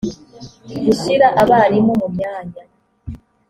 gushyira abarimu mu myanya